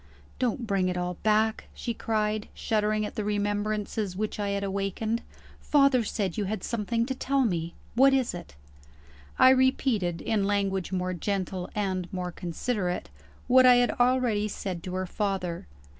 "Don't bring it all back!" she cried, shuddering at the remembrances which I had awakened, "Father said you had something to tell me. What is it?" I repeated (in language more gentle and more considerate) what I had already said to her father.